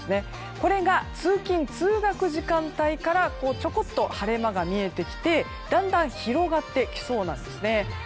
これが通勤・通学時間帯からちょこっと晴れ間が見えてきてだんだん広がってきそうなんですね。